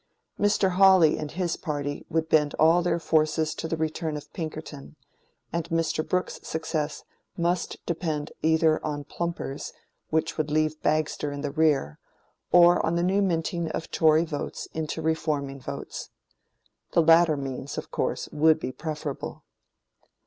Mr. Hawley and his party would bend all their forces to the return of Pinkerton, and Mr. Brooke's success must depend either on plumpers which would leave Bagster in the rear, or on the new minting of Tory votes into reforming votes. The latter means, of course, would be preferable.